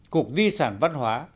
cục di sản văn hóa